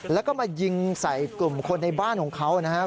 แล้วก็มายิงใส่กลุ่มคนในบ้านของเขานะครับ